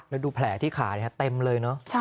แล้วดูแผลที่ขาเต็มเลยเนอะ